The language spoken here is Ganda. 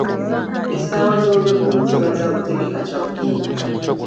Essaawa z'olweggulo ziba za kutegeka kya ggulo.